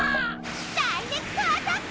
ダイレクトアタック！